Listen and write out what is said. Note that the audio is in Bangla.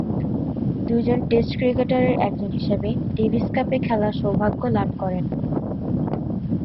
দুইজন টেস্ট ক্রিকেটারের একজন হিসেবে ডেভিস কাপে খেলার সৌভাগ্য লাভ করেন।